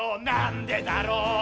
「なんでだろう」